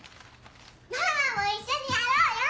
ママも一緒にやろうよ！